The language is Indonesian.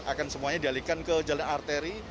akan semuanya dialihkan ke jalan arteri